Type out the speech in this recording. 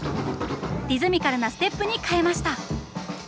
リズミカルなステップに変えました。